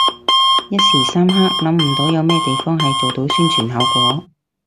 一時三刻諗唔到有咩地方係做到宣傳效果